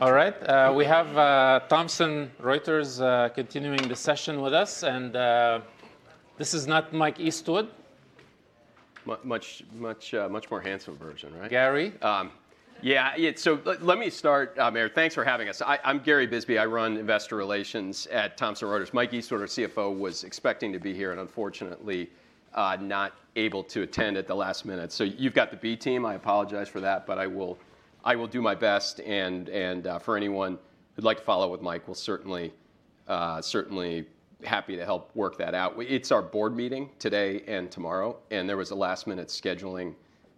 All right. We have Thomson Reuters continuing the session with us, and this is not Mike Eastwood. Much more handsome version, right? Gary. Yeah. So let me start, Maher. Thanks for having us. I'm Gary Bisbee. I run investor relations at Thomson Reuters. Mike Eastwood, our CFO, was expecting to be here and unfortunately not able to attend at the last minute. So you've got the B team. I apologize for that. But I will do my best. And for anyone who'd like to follow up with Mike, we'll certainly be happy to help work that out. It's our board meeting today and tomorrow. And there was a last-minute scheduling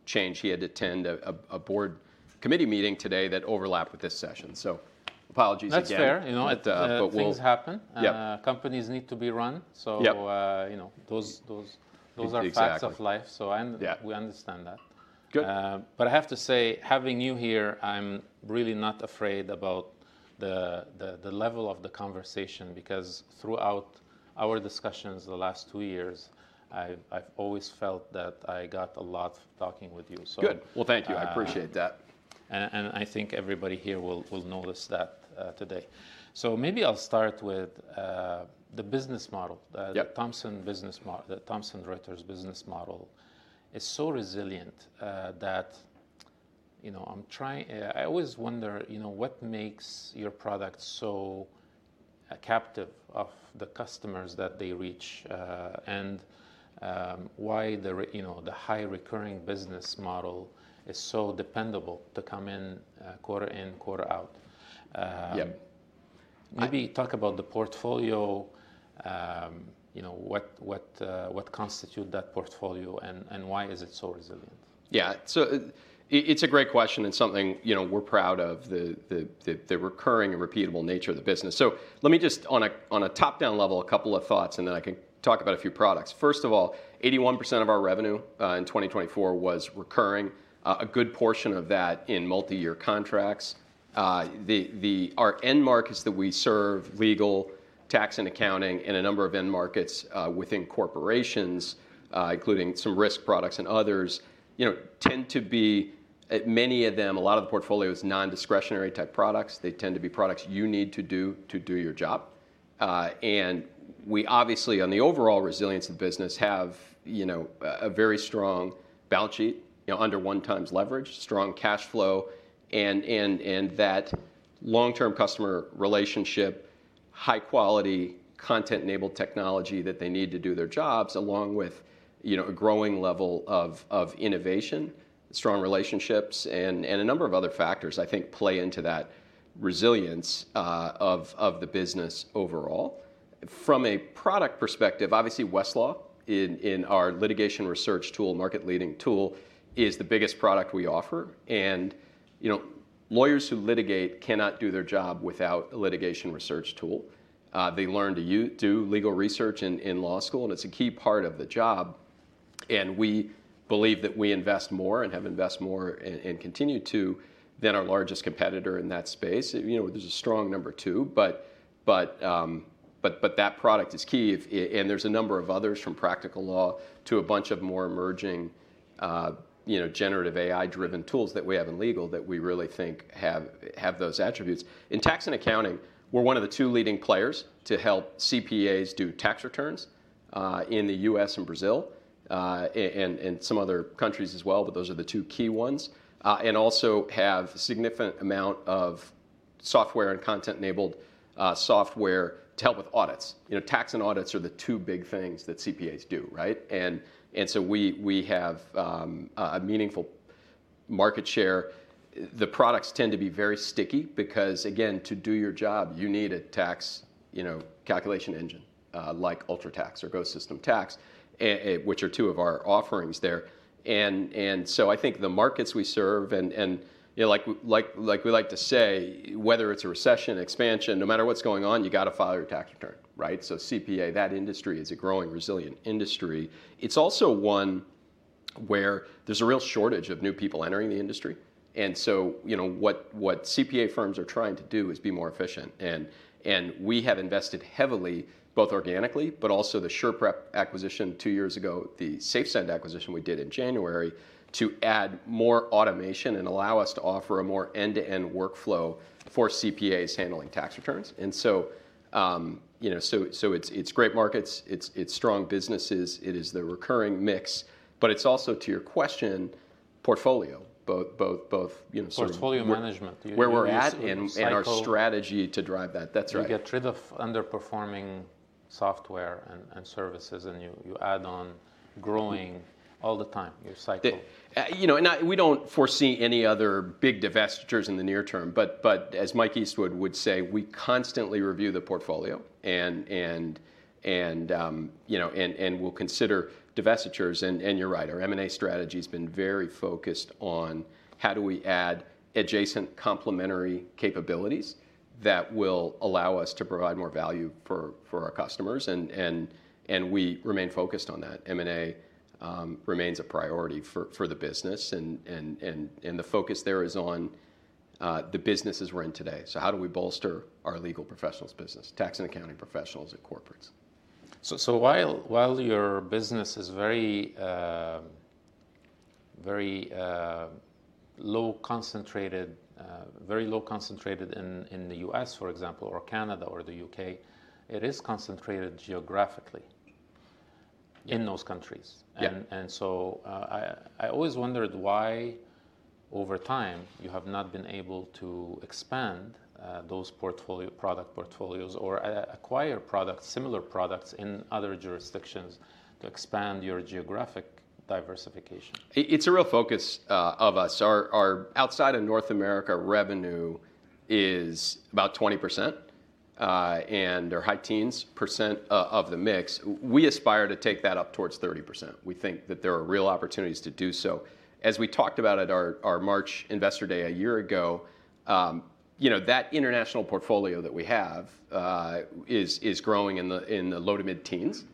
change. He had to attend a board committee meeting today that overlapped with this session. So apologies again. That's fair. You know. Things happen. Companies need to be run. Those are facts of life. We understand that. Good, but I have to say, having you here, I'm really not afraid about the level of the conversation. Because throughout our discussions the last two years, I've always felt that I got a lot talking with you. Good. Well, thank you. I appreciate that. And I think everybody here will notice that today. So maybe I'll start with the business model. The Thomson Reuters business model is so resilient that I always wonder what makes your product so captive of the customers that they reach and why the high recurring business model is so dependable to come in quarter in, quarter out. Maybe talk about the portfolio. What constitutes that portfolio and why is it so resilient? Yeah. So it's a great question and something we're proud of, the recurring and repeatable nature of the business. So let me just, on a top-down level, a couple of thoughts, and then I can talk about a few products. First of all, 81% of our revenue in 2024 was recurring. A good portion of that in multi-year contracts. Our end markets that we serve, legal, tax, and accounting, and a number of end markets within corporations, including some risk products and others, tend to be many of them. A lot of the portfolio is non-discretionary type products. They tend to be products you need to do your job. And we obviously, on the overall resilience of the business, have a very strong balance sheet, under one times leverage, strong cash flow, and that long-term customer relationship, high-quality content-enabled technology that they need to do their jobs, along with a growing level of innovation, strong relationships, and a number of other factors, I think, play into that resilience of the business overall. From a product perspective, obviously, Westlaw, in our litigation research tool, market-leading tool, is the biggest product we offer. And lawyers who litigate cannot do their job without a litigation research tool. They learn to do legal research in law school. And it is a key part of the job. And we believe that we invest more and have invested more and continue to than our largest competitor in that space. There is a strong number two. But that product is key. And there's a number of others, from Practical Law to a bunch of more emerging generative AI-driven tools that we have in legal that we really think have those attributes. In tax and accounting, we're one of the two leading players to help CPAs do tax returns in the U.S. and Brazil and some other countries as well. But those are the two key ones. And also have a significant amount of software and content-enabled software to help with audits. Tax and audits are the two big things that CPAs do, right? And so we have a meaningful market share. The products tend to be very sticky. Because again, to do your job, you need a tax calculation engine like UltraTax or GoSystem Tax, which are two of our offerings there. And so I think the markets we serve, and like we like to say, whether it's a recession, expansion, no matter what's going on, you've got to file your tax return, right? So CPA, that industry is a growing, resilient industry. It's also one where there's a real shortage of new people entering the industry. And so what CPA firms are trying to do is be more efficient. And we have invested heavily, both organically, but also the SurePrep acquisition two years ago, the SafeSend acquisition we did in January, to add more automation and allow us to offer a more end-to-end workflow for CPAs handling tax returns. And so it's great markets. It's strong businesses. It is the recurring mix. But it's also, to your question, portfolio, both. Portfolio management. Where we're at and our strategy to drive that. That's right. You get rid of underperforming software and services and you add on growing all the time. You cycle. We don't foresee any other big divestitures in the near term. But as Mike Eastwood would say, we constantly review the portfolio. And we'll consider divestitures. And you're right. Our M&A strategy has been very focused on how do we add adjacent complementary capabilities that will allow us to provide more value for our customers. And we remain focused on that. M&A remains a priority for the business. And the focus there is on the businesses we're in today. So how do we bolster our legal professionals' business, tax and accounting professionals at corporates? So while your business is very low concentrated in the U.S., for example, or Canada or the U.K., it is concentrated geographically in those countries. And so I always wondered why, over time, you have not been able to expand those product portfolios or acquire similar products in other jurisdictions to expand your geographic diversification. It's a real focus of us. Our outside of North America revenue is about 20%, and our high-teens % of the mix. We aspire to take that up towards 30%. We think that there are real opportunities to do so. As we talked about at our March Investor Day a year ago, that international portfolio that we have is growing in the low- to mid-teens.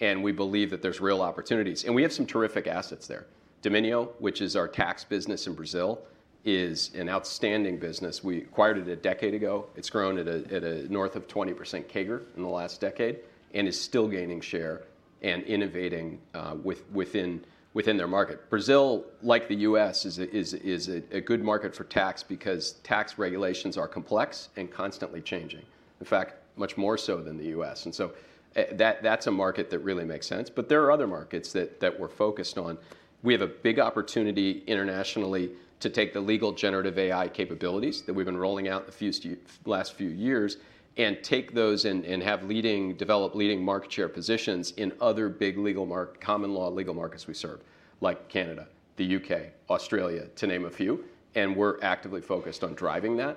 And we believe that there's real opportunities, and we have some terrific assets there. Domínio, which is our tax business in Brazil, is an outstanding business. We acquired it a decade ago. It's grown north of 20% CAGR in the last decade and is still gaining share and innovating within their market. Brazil, like the U.S., is a good market for tax because tax regulations are complex and constantly changing, in fact, much more so than the U.S. And so that's a market that really makes sense. But there are other markets that we're focused on. We have a big opportunity internationally to take the legal generative AI capabilities that we've been rolling out the last few years and take those and develop leading market share positions in other big common law legal markets we serve, like Canada, the U.K., Australia, to name a few. And we're actively focused on driving that.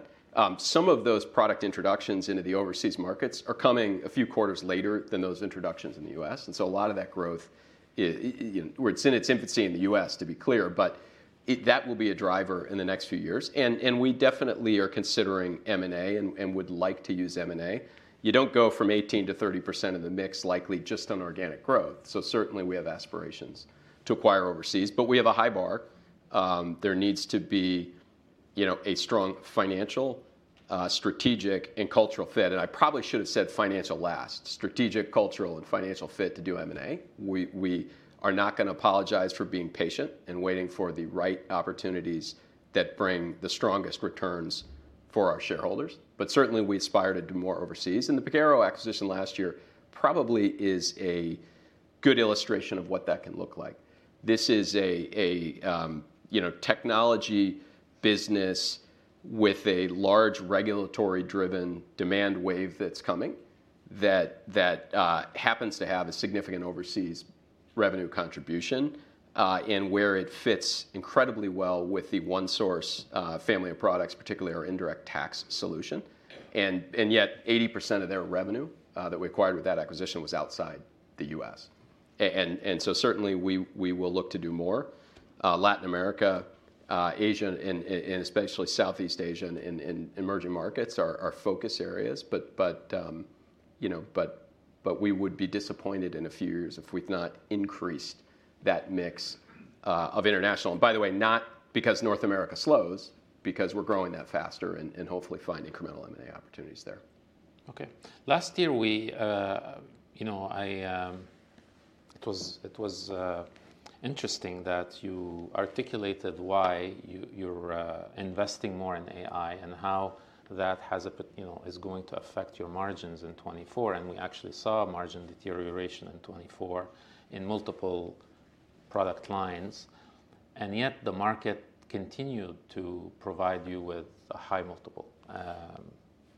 Some of those product introductions into the overseas markets are coming a few quarters later than those introductions in the U.S. And so a lot of that growth is in its infancy in the U.S., to be clear. But that will be a driver in the next few years. And we definitely are considering M&A and would like to use M&A. You don't go from 18%-30% of the mix likely just on organic growth. So certainly, we have aspirations to acquire overseas. But we have a high bar. There needs to be a strong financial, strategic, and cultural fit. And I probably should have said financial last, strategic, cultural, and financial fit to do M&A. We are not going to apologize for being patient and waiting for the right opportunities that bring the strongest returns for our shareholders. But certainly, we aspire to do more overseas. And the Pagero acquisition last year probably is a good illustration of what that can look like. This is a technology business with a large regulatory-driven demand wave that's coming that happens to have a significant overseas revenue contribution and where it fits incredibly well with the ONESOURCE family of products, particularly our indirect tax solution. And yet, 80% of their revenue that we acquired with that acquisition was outside the U.S. And so certainly, we will look to do more. Latin America, Asia, and especially Southeast Asia and emerging markets are our focus areas. But we would be disappointed in a few years if we've not increased that mix of international. And by the way, not because North America slows, because we're growing that faster and hopefully find incremental M&A opportunities there. OK. Last year, it was interesting that you articulated why you're investing more in AI and how that is going to affect your margins in 2024, and we actually saw margin deterioration in 2024 in multiple product lines, and yet, the market continued to provide you with a high multiple.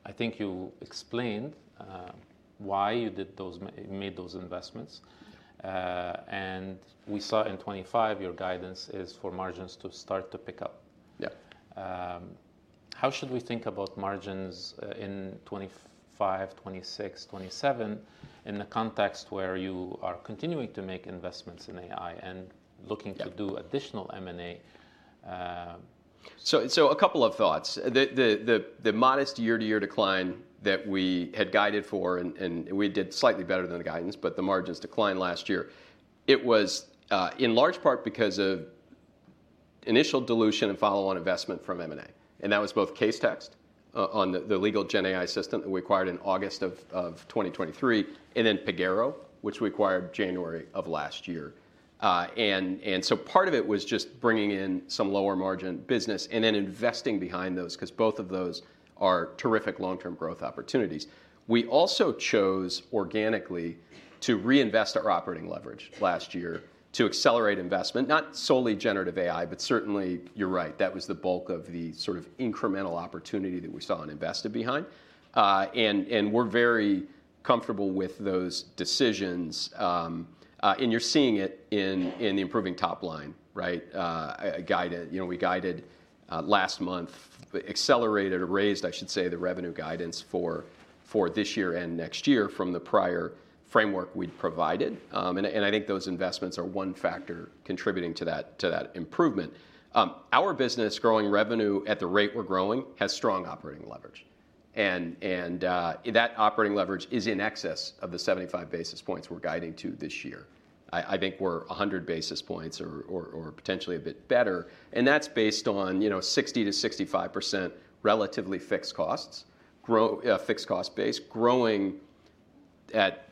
I think you explained why you made those investments, and we saw in 2025, your guidance is for margins to start to pick up. How should we think about margins in 2025, 2026, 2027 in the context where you are continuing to make investments in AI and looking to do additional M&A? So a couple of thoughts. The modest year-to-year decline that we had guided for, and we did slightly better than the guidance, but the margins declined last year. It was in large part because of initial dilution and follow-on investment from M&A. And that was both Casetext, the legal GenAI system that we acquired in August of 2023, and then Pagero, which we acquired January of last year. And so part of it was just bringing in some lower margin business and then investing behind those. Because both of those are terrific long-term growth opportunities. We also chose organically to reinvest our operating leverage last year to accelerate investment, not solely generative AI, but certainly, you're right. That was the bulk of the sort of incremental opportunity that we saw and invested behind. And we're very comfortable with those decisions. And you're seeing it in the improving top line, right? We guided last month, accelerated or raised, I should say, the revenue guidance for this year and next year from the prior framework we'd provided. And I think those investments are one factor contributing to that improvement. Our business, growing revenue at the rate we're growing, has strong operating leverage. And that operating leverage is in excess of the 75 basis points we're guiding to this year. I think we're 100 basis points or potentially a bit better. And that's based on 60%-65% relatively fixed costs, fixed cost base, growing at,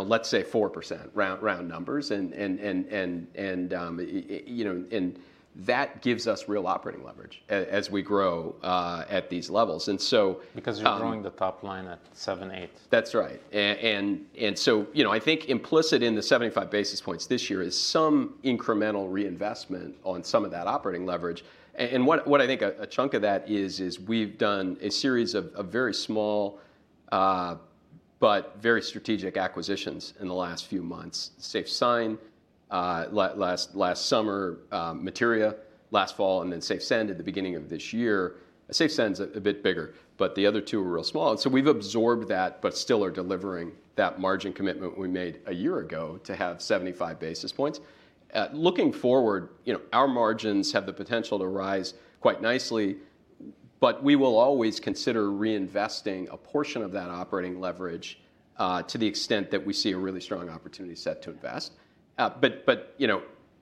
let's say, 4%, round numbers. And that gives us real operating leverage as we grow at these levels. Because you're growing the top line at 7%-8%. That's right. And so I think implicit in the 75 basis points this year is some incremental reinvestment on some of that operating leverage. And what I think a chunk of that is we've done a series of very small but very strategic acquisitions in the last few months: Safe Sign last summer, Materia last fall, and then SafeSend at the beginning of this year. SafeSend's a bit bigger. But the other two are real small. And so we've absorbed that but still are delivering that margin commitment we made a year ago to have 75 basis points. Looking forward, our margins have the potential to rise quite nicely. But we will always consider reinvesting a portion of that operating leverage to the extent that we see a really strong opportunity set to invest. But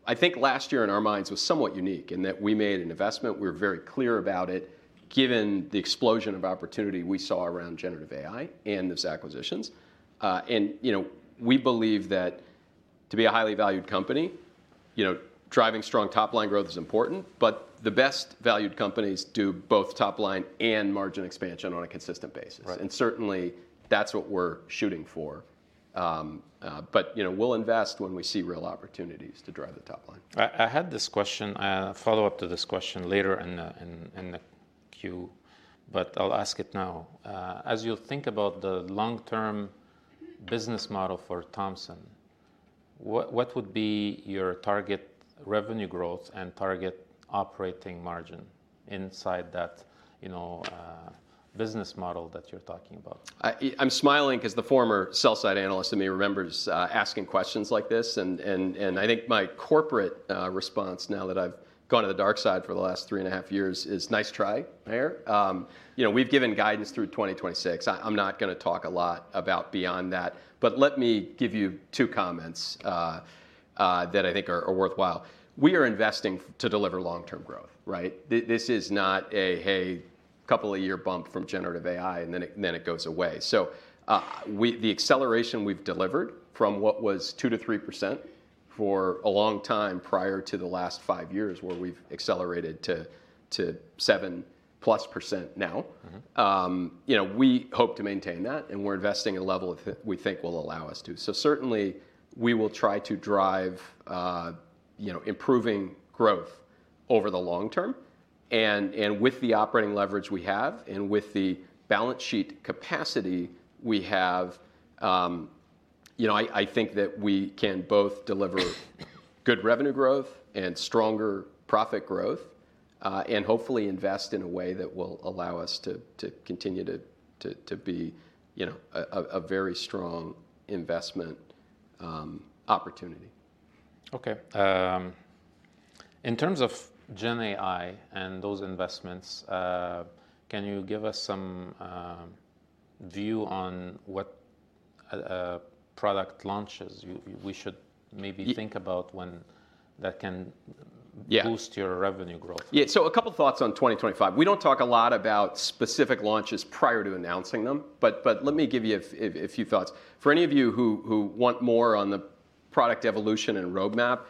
I think last year in our minds was somewhat unique in that we made an investment. We were very clear about it, given the explosion of opportunity we saw around generative AI and those acquisitions. And we believe that to be a highly valued company, driving strong top line growth is important. But the best valued companies do both top line and margin expansion on a consistent basis. And certainly, that's what we're shooting for. But we'll invest when we see real opportunities to drive the top line. I had this question, a follow-up to this question later in the queue. But I'll ask it now. As you think about the long-term business model for Thomson, what would be your target revenue growth and target operating margin inside that business model that you're talking about? I'm smiling because the former sell-side analyst in me remembers asking questions like this. And I think my corporate response, now that I've gone to the dark side for the last three and a half years, is nice try, Mayor. We've given guidance through 2026. I'm not going to talk a lot about beyond that. But let me give you two comments that I think are worthwhile. We are investing to deliver long-term growth, right? This is not a, hey, a couple of year bump from generative AI, and then it goes away. So the acceleration we've delivered from what was 2%-3% for a long time prior to the last five years, where we've accelerated to 7%+ percent now, we hope to maintain that. And we're investing at a level that we think will allow us to. So certainly, we will try to drive improving growth over the long term. And with the operating leverage we have and with the balance sheet capacity we have, I think that we can both deliver good revenue growth and stronger profit growth and hopefully invest in a way that will allow us to continue to be a very strong investment opportunity. OK. In terms of GenAI and those investments, can you give us some view on what product launches we should maybe think about when that can boost your revenue growth? Yeah. So a couple of thoughts on 2025. We don't talk a lot about specific launches prior to announcing them. But let me give you a few thoughts. For any of you who want more on the product evolution and roadmap,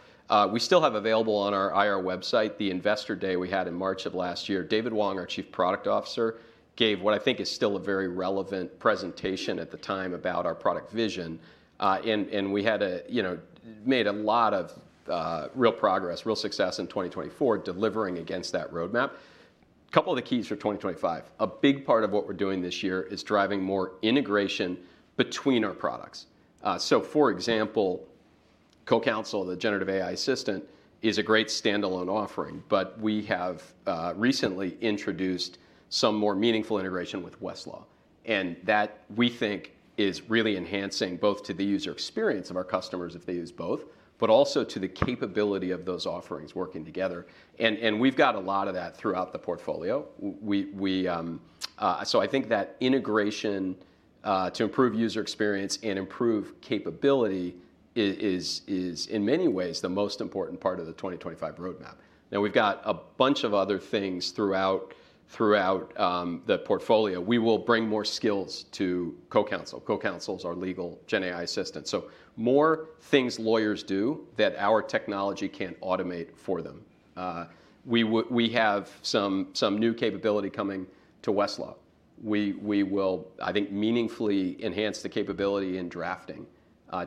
we still have available on our IR website the Investor Day we had in March of last year. David Wong, our Chief Product Officer, gave what I think is still a very relevant presentation at the time about our product vision. And we made a lot of real progress, real success in 2024 delivering against that roadmap. A couple of the keys for 2025. A big part of what we're doing this year is driving more integration between our products. So for example, CoCounsel, the generative AI assistant, is a great standalone offering. But we have recently introduced some more meaningful integration with Westlaw. And that we think is really enhancing both to the user experience of our customers if they use both, but also to the capability of those offerings working together. And we've got a lot of that throughout the portfolio. So I think that integration to improve user experience and improve capability is, in many ways, the most important part of the 2025 roadmap. Now, we've got a bunch of other things throughout the portfolio. We will bring more skills to CoCounsel. CoCounsel's our legal GenAI assistant. So more things lawyers do that our technology can't automate for them. We have some new capability coming to Westlaw. We will, I think, meaningfully enhance the capability in drafting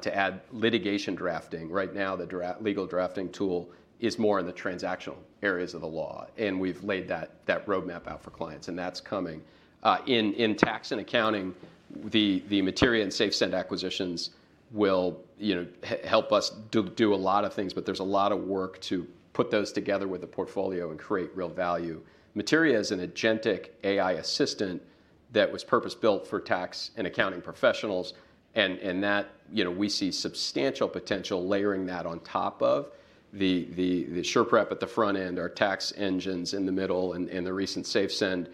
to add litigation drafting. Right now, the legal drafting tool is more in the transactional areas of the law. And we've laid that roadmap out for clients. And that's coming. In tax and accounting, the Materia and SafeSend acquisitions will help us do a lot of things. But there's a lot of work to put those together with the portfolio and create real value. Materia is an agentic AI assistant that was purpose-built for tax and accounting professionals. And we see substantial potential layering that on top of the SurePrep at the front end, our tax engines in the middle, and the recent SafeSend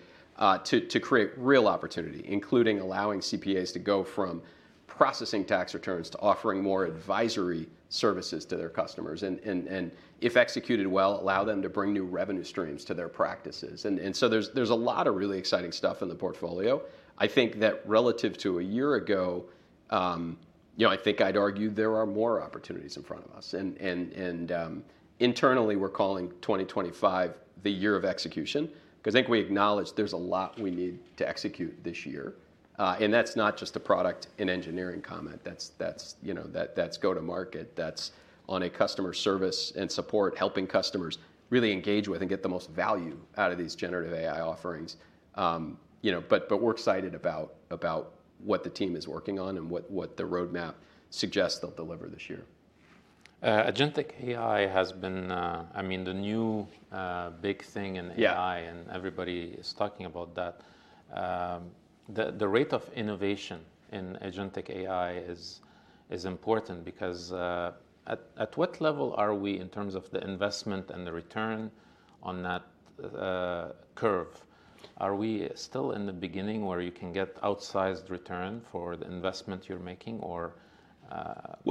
to create real opportunity, including allowing CPAs to go from processing tax returns to offering more advisory services to their customers. And if executed well, allow them to bring new revenue streams to their practices. And so there's a lot of really exciting stuff in the portfolio. I think that relative to a year ago, I think I'd argue there are more opportunities in front of us. And internally, we're calling 2025 the year of execution. Because I think we acknowledge there's a lot we need to execute this year. And that's not just a product and engineering comment. That's go-to-market. That's on a customer service and support, helping customers really engage with and get the most value out of these generative AI offerings. But we're excited about what the team is working on and what the roadmap suggests they'll deliver this year. Agentic AI has been, I mean, the new big thing in AI. And everybody is talking about that. The rate of innovation in agentic AI is important. Because at what level are we in terms of the investment and the return on that curve? Are we still in the beginning where you can get outsized return for the investment you're making, or?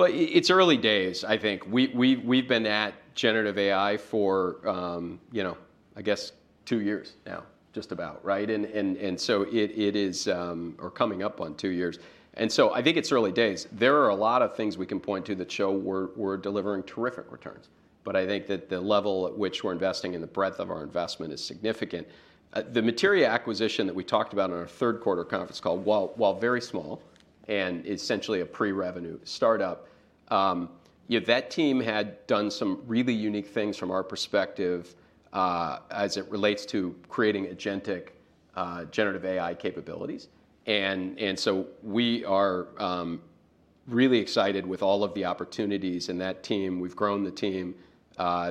It's early days, I think. We've been at generative AI for, I guess, two years now, just about, right, and so it is, or coming up on two years, and so I think it's early days. There are a lot of things we can point to that show we're delivering terrific returns. But I think that the level at which we're investing and the breadth of our investment is significant. The Materia acquisition that we talked about in our third quarter conference call, while very small and essentially a pre-revenue startup, that team had done some really unique things from our perspective as it relates to creating agentic generative AI capabilities, and so we are really excited with all of the opportunities, and that team, we've grown the team.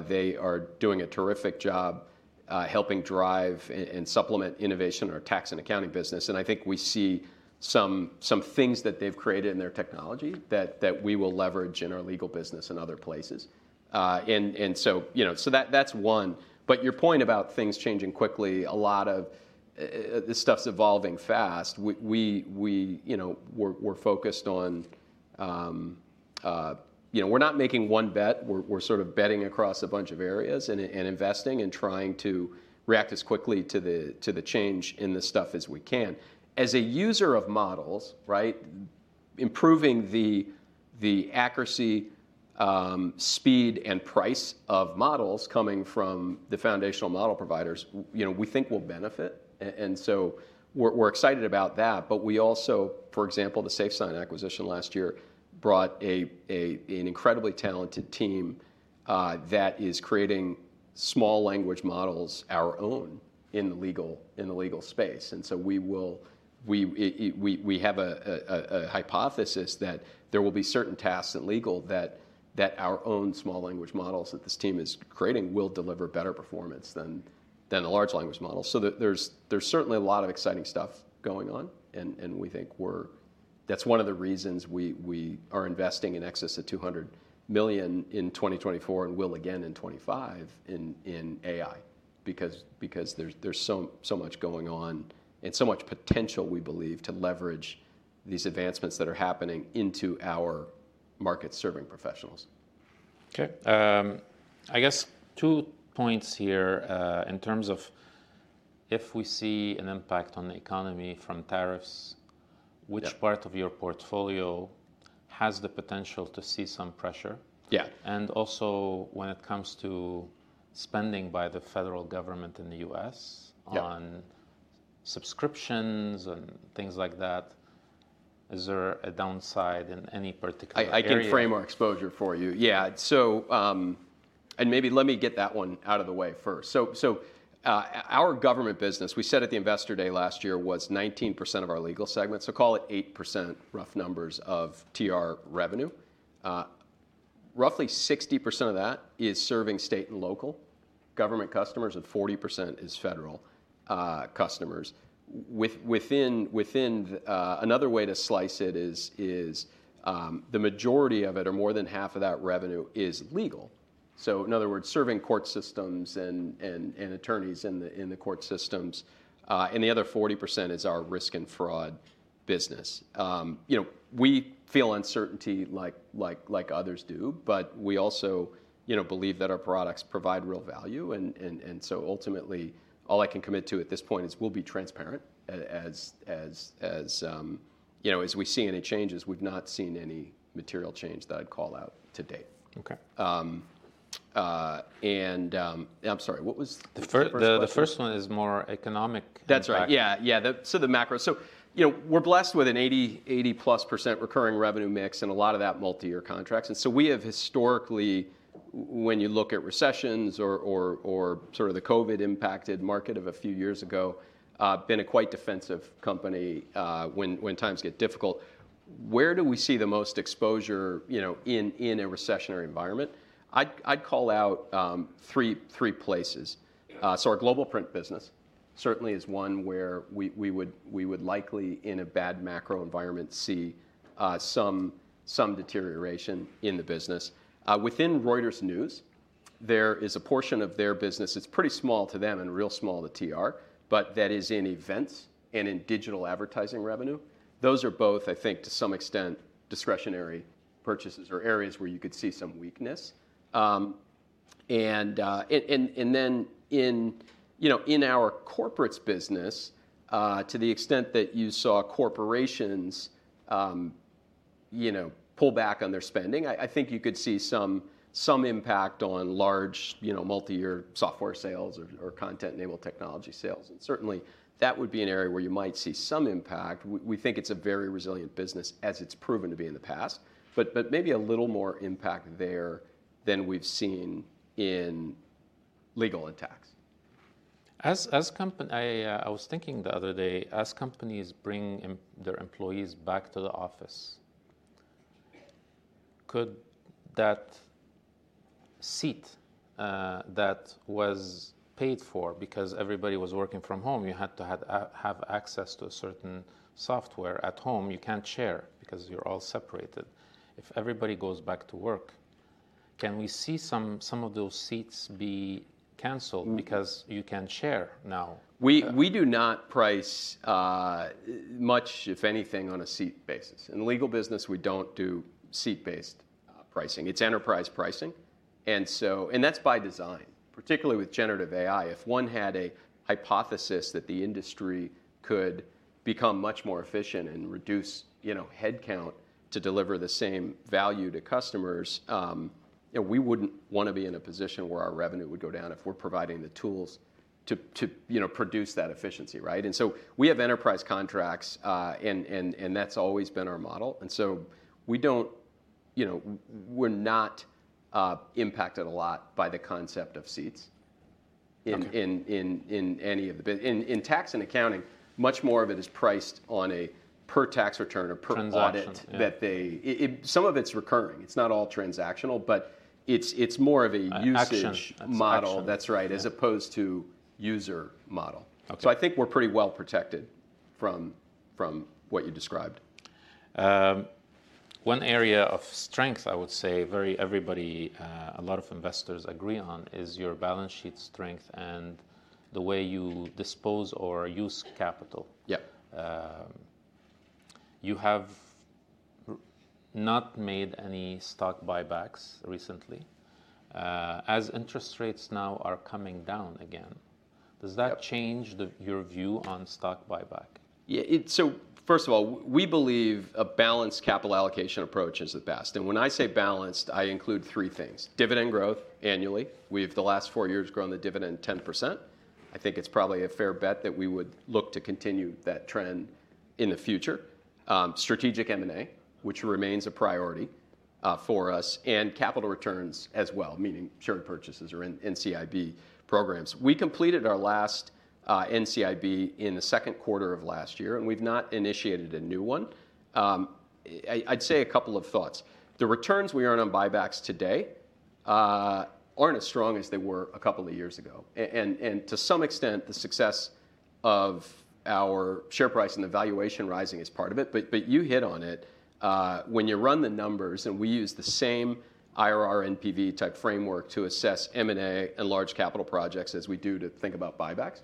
They are doing a terrific job helping drive and supplement innovation in our tax and accounting business. And I think we see some things that they've created in their technology that we will leverage in our legal business and other places. And so that's one. But your point about things changing quickly, a lot of the stuff's evolving fast. We're focused on. We're not making one bet. We're sort of betting across a bunch of areas and investing and trying to react as quickly to the change in the stuff as we can. As a user of models, improving the accuracy, speed, and price of models coming from the foundational model providers, we think, will benefit. And so we're excited about that. But we also, for example, the Safe Sign acquisition last year brought an incredibly talented team that is creating small language models, our own, in the legal space. We have a hypothesis that there will be certain tasks in legal that our own small language models that this team is creating will deliver better performance than the large language models. There's certainly a lot of exciting stuff going on. We think that's one of the reasons we are investing in excess of $200 million in 2024 and will again in 2025 in AI. There's so much going on and so much potential, we believe, to leverage these advancements that are happening into our market-serving professionals. OK. I guess two points here in terms of if we see an impact on the economy from tariffs, which part of your portfolio has the potential to see some pressure? Yeah. Also when it comes to spending by the federal government in the U.S. on subscriptions and things like that, is there a downside in any particular area? I can frame our exposure for you. Yeah. And maybe let me get that one out of the way first. So our government business, we said at the Investor Day last year was 19% of our legal segment. So call it 8% rough numbers of TR revenue. Roughly 60% of that is serving state and local government customers, and 40% is federal customers. Another way to slice it is the majority of it, or more than half of that revenue, is legal. So in other words, serving court systems and attorneys in the court systems. And the other 40% is our risk and fraud business. We feel uncertainty like others do. But we also believe that our products provide real value. And so ultimately, all I can commit to at this point is we'll be transparent. As we see any changes, we've not seen any material change that I'd call out to date. OK. I'm sorry, what was the first part? The first one is more economic. That's right. Yeah, yeah. So the macro. So we're blessed with an 80%+ recurring revenue mix and a lot of that multi-year contracts. And so we have historically, when you look at recessions or sort of the COVID-impacted market of a few years ago, been a quite defensive company when times get difficult. Where do we see the most exposure in a recessionary environment? I'd call out three places. So our Global Print business certainly is one where we would likely, in a bad macro environment, see some deterioration in the business. Within Reuters News, there is a portion of their business. It's pretty small to them and real small to TR, but that is in events and in digital advertising revenue. Those are both, I think, to some extent, discretionary purchases or areas where you could see some weakness. And then in our corporate business, to the extent that you saw corporations pull back on their spending, I think you could see some impact on large multi-year software sales or content-enabled technology sales. And certainly, that would be an area where you might see some impact. We think it's a very resilient business as it's proven to be in the past, but maybe a little more impact there than we've seen in legal and tax. As I was thinking the other day, as companies bring their employees back to the office, could that seat that was paid for, because everybody was working from home, you had to have access to a certain software at home, you can't share because you're all separated, if everybody goes back to work, can we see some of those seats be canceled because you can share now? We do not price much, if anything, on a seat basis. In the legal business, we don't do seat-based pricing. It's enterprise pricing, and that's by design, particularly with generative AI. If one had a hypothesis that the industry could become much more efficient and reduce headcount to deliver the same value to customers, we wouldn't want to be in a position where our revenue would go down if we're providing the tools to produce that efficiency, right, and so we have enterprise contracts, and that's always been our model, and so we're not impacted a lot by the concept of seats in any of the business. In tax and accounting, much more of it is priced on a per tax return or per audit that they some of it's recurring. It's not all transactional, but it's more of a usage model. Actions. That's right, as opposed to user model. So I think we're pretty well protected from what you described. One area of strength, I would say, very, a lot of investors agree on is your balance sheet strength and the way you dispose or use capital. Yeah. You have not made any stock buybacks recently. As interest rates now are coming down again, does that change your view on stock buyback? Yeah. So first of all, we believe a balanced capital allocation approach is the best. And when I say balanced, I include three things: dividend growth annually. We've, the last four years, grown the dividend 10%. I think it's probably a fair bet that we would look to continue that trend in the future. Strategic M&A, which remains a priority for us, and capital returns as well, meaning share purchases or NCIB programs. We completed our last NCIB in the second quarter of last year. And we've not initiated a new one. I'd say a couple of thoughts. The returns we earn on buybacks today aren't as strong as they were a couple of years ago. And to some extent, the success of our share price and the valuation rising is part of it. But you hit on it. When you run the numbers, and we use the same IRR and NPV type framework to assess M&A and large capital projects as we do to think about buybacks,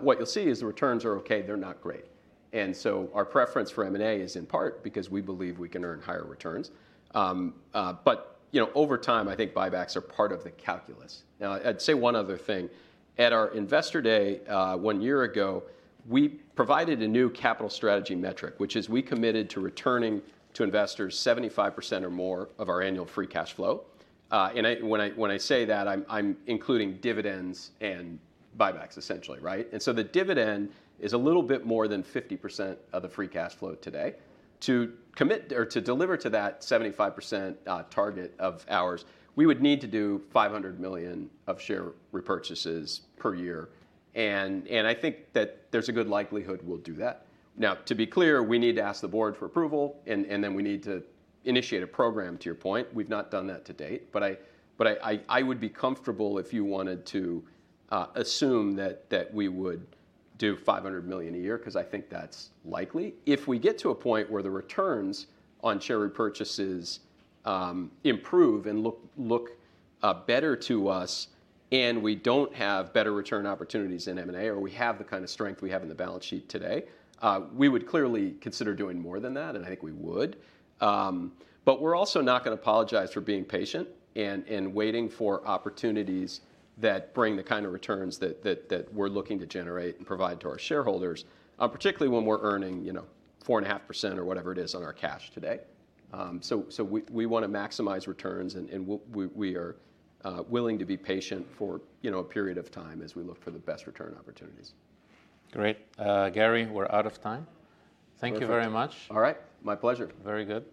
what you'll see is the returns are OK. They're not great. And so our preference for M&A is in part because we believe we can earn higher returns. But over time, I think buybacks are part of the calculus. Now, I'd say one other thing. At our Investor Day one year ago, we provided a new capital strategy metric, which is we committed to returning to investors 75% or more of our annual free cash flow. And when I say that, I'm including dividends and buybacks, essentially, right? And so the dividend is a little bit more than 50% of the free cash flow today. To commit or to deliver to that 75% target of ours, we would need to do $500 million of share repurchases per year. And I think that there's a good likelihood we'll do that. Now, to be clear, we need to ask the board for approval. And then we need to initiate a program, to your point. We've not done that to date. But I would be comfortable if you wanted to assume that we would do $500 million a year. Because I think that's likely. If we get to a point where the returns on share repurchases improve and look better to us, and we don't have better return opportunities in M&A, or we have the kind of strength we have in the balance sheet today, we would clearly consider doing more than that. And I think we would. But we're also not going to apologize for being patient and waiting for opportunities that bring the kind of returns that we're looking to generate and provide to our shareholders, particularly when we're earning 4.5% or whatever it is on our cash today. So we want to maximize returns. And we are willing to be patient for a period of time as we look for the best return opportunities. Great. Gary, we're out of time. Thank you very much. All right. My pleasure. Very good.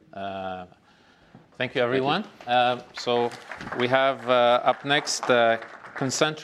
Thank you, everyone. So we have up next Consensus.